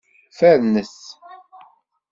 Fernet!